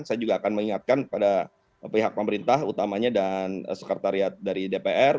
saya juga akan mengingatkan pada pihak pemerintah utamanya dan sekretariat dari dpr